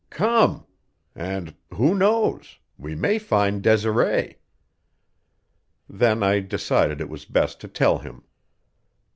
Come! And who knows we may find Desiree." Then I decided it was best to tell him.